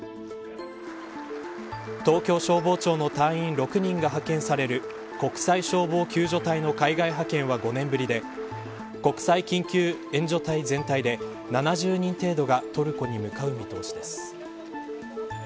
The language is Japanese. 東京消防庁の隊員６人が派遣される国際消防救助隊の海外派遣は５年ぶりで国際緊急援助隊全体で７０人程度がトルコに向かう見通しです。